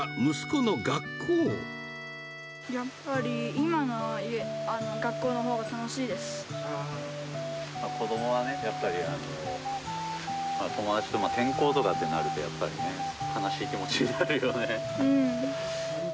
やっぱり今の学校のほうが楽子どもはね、やっぱり、友達と、転校とかってなると、やっぱりね、悲しい気持うん。